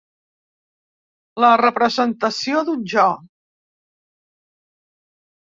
La representació d'un jo.